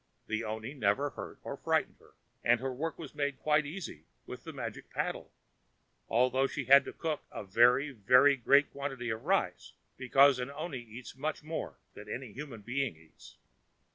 The oni never hurt or frightened her, and her work was made quite easy by the magic paddle, although she had to cook a very, very great quantity of rice, because an oni eats much more than any human being eats.